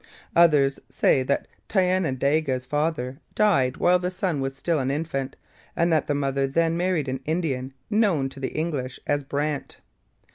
Others say that Thayendanegea's father died while the son was still an infant and that the mother then married an Indian known to the English as Brant.